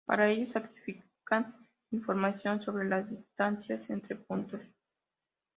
Para ello, sacrifican información sobre las distancias entre puntos.